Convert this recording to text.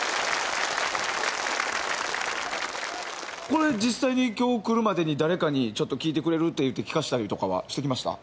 これ実際に今日来るまでに誰かに「ちょっと聴いてくれる？」って言って聴かせたりとかはしてきました？